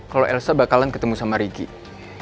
kalau elsa bakalan ketemu sama ricky